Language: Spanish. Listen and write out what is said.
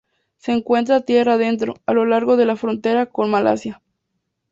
Se encuentra tierra adentro, a lo largo de la frontera con Malasia.